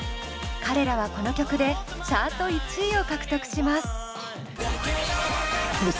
彼らはこの曲でチャート１位を獲得します。